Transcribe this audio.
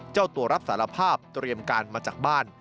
เจ้าตัวรับสารภาพเตรียมการมาจากบ้าน